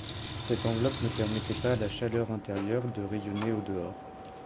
Cette enveloppe ne permettait pas à la chaleur intérieure de rayonner au dehors.